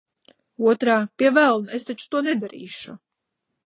Otrā – pie velna, es taču to nedarīšu!